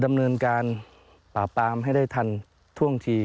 ดำเนินการปราบปรามให้ได้ทันท่วงที